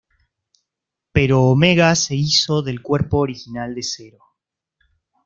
Pero Omega se hizo del cuerpo original de Zero.